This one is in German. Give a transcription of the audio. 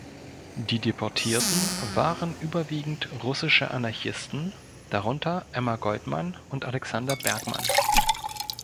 Die Deportierten waren überwiegend russische Anarchisten, darunter Emma Goldman und Alexander Berkman.